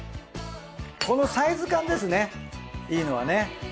このサイズ感ですねいいのはね。